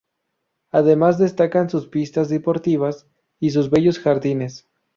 Además, destacan sus pistas deportivas y sus bellos jardines.